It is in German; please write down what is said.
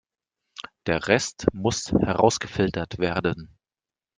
Der Rest muss herausgefiltert werden.